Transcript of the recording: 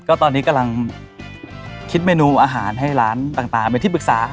ก็ตอนนี้กำลังคิดเมนูอาหารให้ร้านต่างเป็นที่ปรึกษา